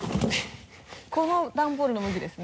このダンボールの向きですね。